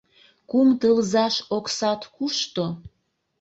Кум тылзаш оксат кушто?